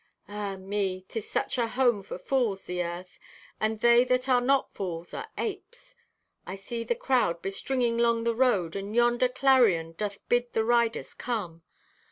"Ah, me, 'tis such a home for fools, the earth. And they that are not fools are apes. "I see the crowd bestringing 'long the road, and yonder clarion doth bid the riders come.